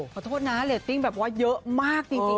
ขอโทษนะเรตติ้งแบบว่าเยอะมากจริง